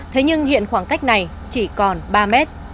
thế nhưng hiện khoảng cách này chỉ còn ba mét